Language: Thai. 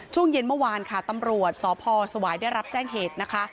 ช่วงเย็นเมื่อวานค่ะตำรวจสพสวายได้รับแจ้งเหตุนะคะ